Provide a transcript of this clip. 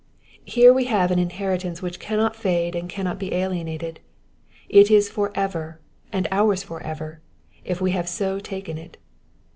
Here we have an inheritance which cannot fade and cannot be alienated ; it is for ever, and ours for ever, if we have so taken it.